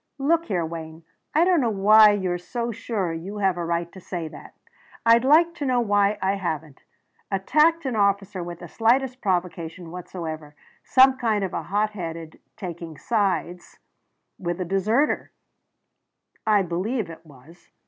"Look here, Wayne, I don't know why you're so sure you have a right to say that!" "I'd like to know why I haven't! Attacked an officer without the slightest provocation whatsoever! Some kind of a hot headed taking sides with a deserter, I believe it was.